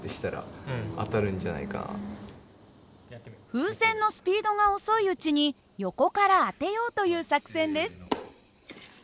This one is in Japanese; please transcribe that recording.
風船のスピードが遅いうちに横から当てようという作戦です。